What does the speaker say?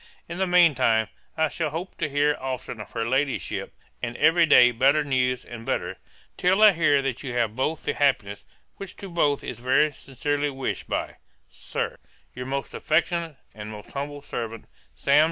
In the mean time I shall hope to hear often of her Ladyship, and every day better news and better, till I hear that you have both the happiness, which to both is very sincerely wished, by, Sir, 'Your most affectionate, and 'Most humble servant, 'SAM.